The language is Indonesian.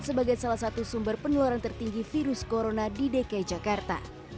sebagai salah satu sumber penularan tertinggi virus corona di dki jakarta